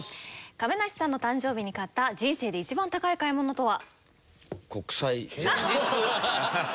亀梨さんの誕生日に買った人生で一番高い買い物とは？